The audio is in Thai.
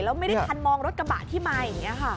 แล้วไม่ได้ทันมองรถกระบะที่มาอย่างนี้ค่ะ